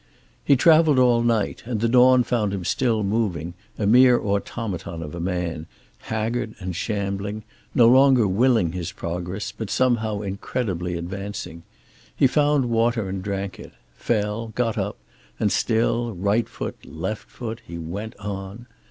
He traveled all night, and the dawn found him still moving, a mere automaton of a man, haggard and shambling, no longer willing his progress, but somehow incredibly advancing. He found water and drank it, fell, got up, and still, right foot, left foot, he went on.